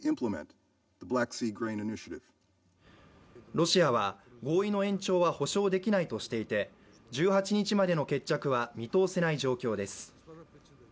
ロシアは合意の延長は保証できないとしていて１８日までの決着は見通せない状況です。